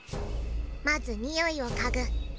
まずにおいをかぐ。